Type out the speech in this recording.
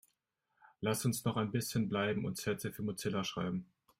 Lasst uns noch ein bisschen bleiben und Sätze für Mozilla schreiben.